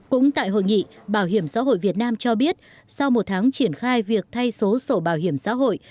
cũng tại hội nghị bảo hiểm xã hội việt nam cho biết sau một tháng triển khai việc thay số sổ bảo hiểm xã hội